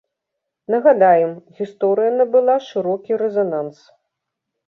Нагадаем, гісторыя набыла шырокі рэзананс.